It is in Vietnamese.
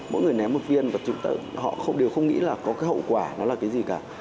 mỗi người ném một viên và họ đều không nghĩ là có cái hậu quả nó là cái gì cả